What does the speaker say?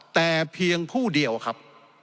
แต่เพียงผู้เดียวครับ